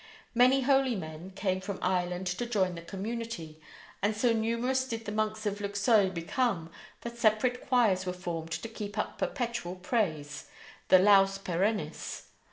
Many holy men came from Ireland to join the community, and so numerous did the monks of Luxeuil become that separate choirs were formed to keep up perpetual praise the "laus perennis".